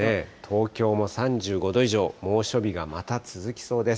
東京も３５度以上、猛暑日がまた続きそうです。